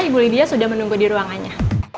ibu lydia sudah menunggu di ruangannya